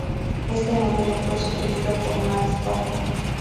Este modelo fue sugerido por Max Hoffman.